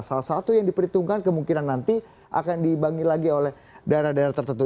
salah satu yang diperhitungkan kemungkinan nanti akan dibagi lagi oleh daerah daerah tertentu